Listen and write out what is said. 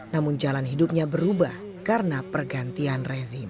namun jalan hidupnya berubah karena pergantian rezim